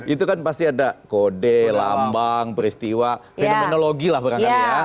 itu kan pasti ada kode lambang peristiwa fenomenologi lah barangkali ya